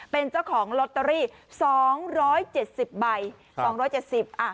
เป็นเจ้าของลอตเตอรี่สองร้อยเจ็ดสิบใบสองร้อยเจ็ดสิบอ่ะ